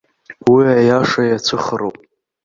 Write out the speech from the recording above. Уи аиаша иацәыхароуп!